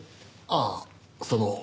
ああその。